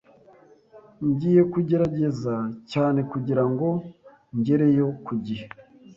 Ngiye kugerageza cyane kugirango ngereyo ku gihe.